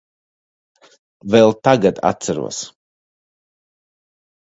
Vēl tagad atceros.